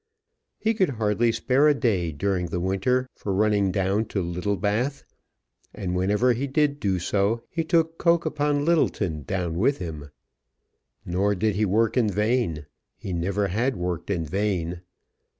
He could hardly spare a day during the winter for running down to Littlebath, and whenever he did do so, he took Coke upon Lyttleton down with him. Nor did he work in vain. He never had worked in vain.